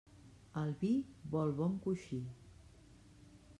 El vi vol bon coixí.